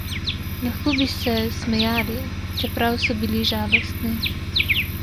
Lahko bi se smejali, čeprav so bili žalostni.